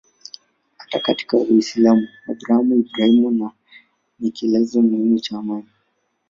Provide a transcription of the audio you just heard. Hata katika Uislamu Abrahamu-Ibrahimu ni kielelezo muhimu cha imani.